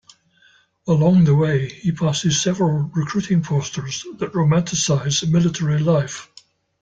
Along the way, he passes several recruiting posters that romanticize military life.